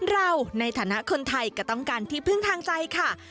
เราในฐานะคนไทยก็ต้องการที่พึ่งทางใจค่ะ